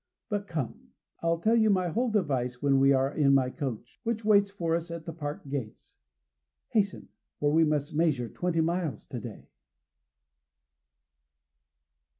But come, I'll tell you my whole device when we are in my coach, which waits for us at the park gates. Hasten, for we must measure twenty miles to day."